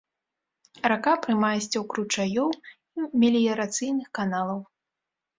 Рака прымае сцёк ручаёў і меліярацыйных каналаў.